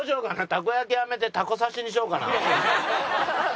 たこ焼きやめてたこ刺しにしようかな？